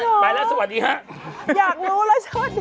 อยากรู้เลยสวัสดีค่ะ